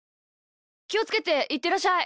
きをつけていってらっしゃい！